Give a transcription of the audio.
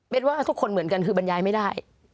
ว่าทุกคนเหมือนกันคือบรรยายไม่ได้